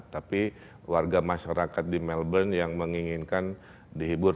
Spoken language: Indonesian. tapi warga masyarakat di melbourne yang menginginkan dihibur